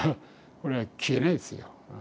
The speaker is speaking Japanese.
これは消えないですよ